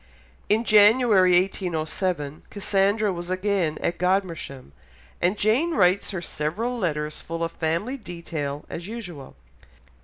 In January 1807, Cassandra was again at Godmersham, and Jane writes her several letters full of family detail as usual.